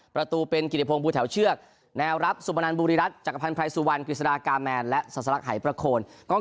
ประตูเป็นกิริพงศ์ภูแถวเชือกแนวรับสุพนันบุรีรัตนจักรพันธ์ไพรสุวรรณกฤษฎากาแมนและศาสลักหายประโคน